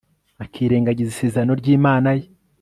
Akirengagiza isezerano ryImana ye